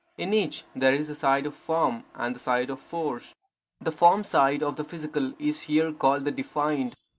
In each, there is the side of form, and the side of force. The form side of the physical is here called the defined.